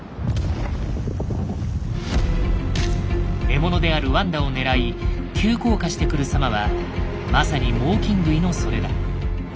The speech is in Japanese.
獲物であるワンダを狙い急降下してくる様はまさに猛きん類のそれだ。